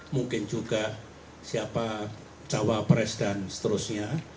mungkin juga siapa cawapres dan seterusnya